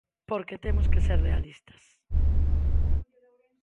Porque temos que ser realistas.